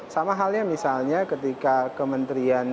sama halnya misalnya ketika kementerian